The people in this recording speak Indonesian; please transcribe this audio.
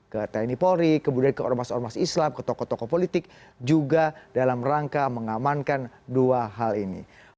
ke tni polri kemudian ke ormas ormas islam ke tokoh tokoh politik juga dalam rangka mengamankan dua hal ini